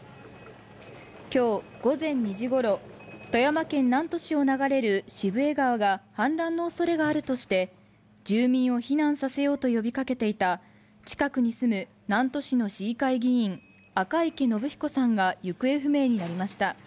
今日午前２時ごろ富山県南砺市を流れる渋江川が氾濫の恐れがあるとして住民を避難させようと呼びかけていた近くに住む南砺市の市議会議員、赤池伸彦さんが行方不明になりました。